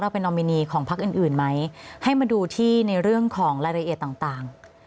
เป็นนอมินีของพักอื่นอื่นไหมให้มาดูที่ในเรื่องของรายละเอียดต่าง